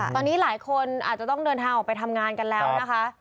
ตอนนี้หลายคนอาจจะต้องเดินทางออกไปทำงานกันแล้วนะคะ